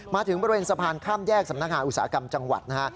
มาถึงบริเวณสะพานข้ามแยกสำนักงานอุตสาหกรรมจังหวัดนะฮะ